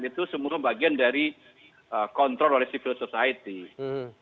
itu semua bagian dari kontrol oleh civil society